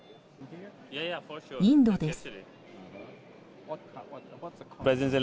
インドです。